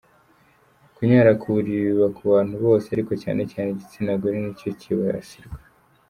Kunyara ku buriri biba ku bantu bose ariko cyane cyane igitsina gore nicyo kibasirwa.